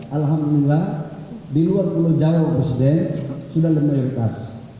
alhamdulillah di luar pulau jawa presiden sudah ada mayoritas